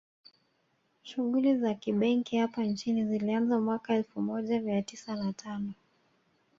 Shughuli za kibenki hapa nchini zilianza mwaka elfu moja mia tisa na tano